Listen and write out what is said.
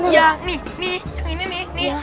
ya nih nih yang ini nih